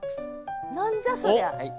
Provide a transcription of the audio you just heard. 何じゃそりゃ？